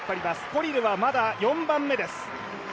コリルはまだ４番目です。